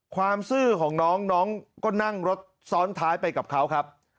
ซื่อของน้องน้องก็นั่งรถซ้อนท้ายไปกับเขาครับ